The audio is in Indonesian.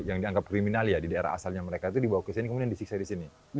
yang dianggap kriminal ya di daerah asalnya mereka itu dibawa ke sini kemudian disiksa di sini